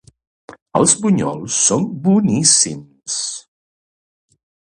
Els bunyols són boníssims.